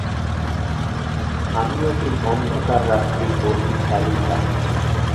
আমিও সেই অন্ধকার রাত্রির অভিসারিকা।